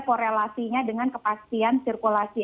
korelasinya dengan kepastian sirkulasi